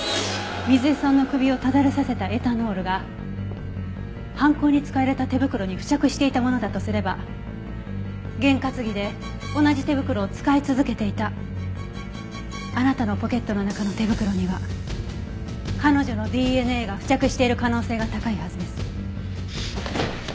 水絵さんの首をただれさせたエタノールが犯行に使われた手袋に付着していたものだとすれば験担ぎで同じ手袋を使い続けていたあなたのポケットの中の手袋には彼女のＤＮＡが付着している可能性が高いはずです。